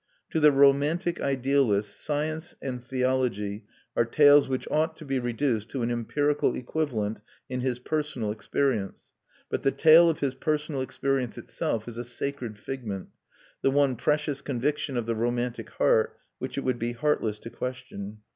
To the romantic idealist science and theology are tales which ought to be reduced to an empirical equivalent in his personal experience; but the tale of his personal experience itself is a sacred figment, the one precious conviction of the romantic heart, which it would be heartless to question.